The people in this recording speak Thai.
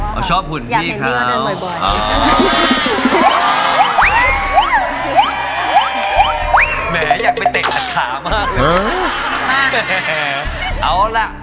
เขาชอบหุ่นพี่ครับ